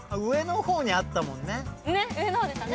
ねっ上の方でしたね。